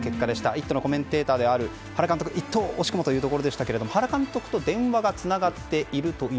「イット！」のコメンテーターである原監督一等惜しくもというところでしたが原監督と電話がつながっています。